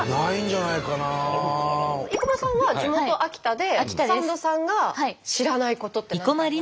生駒さんは地元秋田でサンドさんが知らないことって何かありますか？